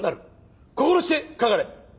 心してかかれ。